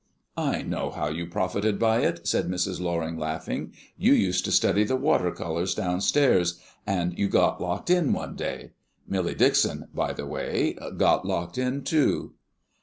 "I know how you profited by it," said Mrs. Loring, laughing. "You used to study the water colours down stairs, and you got locked in one day. Millie Dixon, by the way, got locked in too."